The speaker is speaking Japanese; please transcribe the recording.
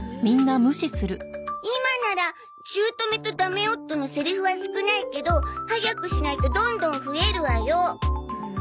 今ならしゅうとめとダメ夫のセリフは少ないけど早くしないとどんどん増えるわよ。